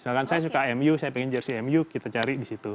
sedangkan saya suka mu saya pengen jersi mu kita cari di situ